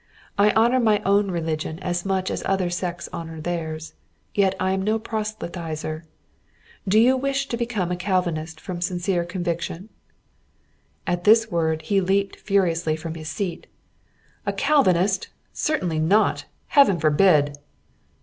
I honour my own religion as much as other sects honour theirs, yet I am no proselytizer. Do you wish to become a Calvinist from sincere conviction?" At this word he leaped furiously from his seat. "A Calvinist? Certainly not! Heaven forbid!"